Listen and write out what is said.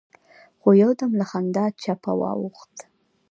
خو يودم له خندا چپه واوښت.